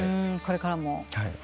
これからも。